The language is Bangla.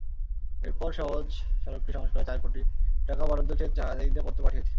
এরপর সওজ সড়কটি সংস্কারে চার কোটি টাকা বরাদ্দ চেয়ে চাহিদাপত্র পাঠিয়েছে।